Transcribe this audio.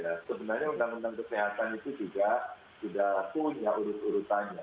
sebenarnya undang undang kesehatan itu juga